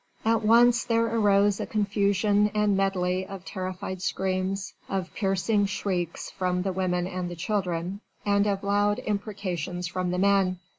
At once there arose a confusion and medley of terrified screams, of piercing shrieks from the women and the children, and of loud imprecations from the men.